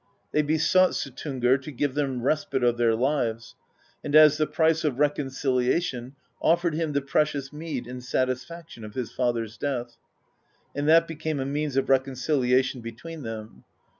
They besought Suttungr to grant them respite of their Hves, and as the price of reconciliation offered him the precious mead in satisfaction of his father's death. And that became a means of reconciliation between them.